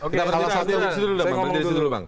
kita berdiri dulu bang